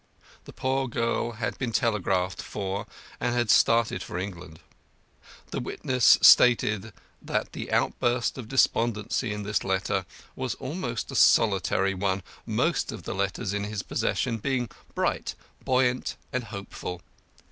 The poor girl had been telegraphed for, and had started for England. The witness stated that the outburst of despondency in this letter was almost a solitary one, most of the letters in his possession being bright, buoyant, and hopeful.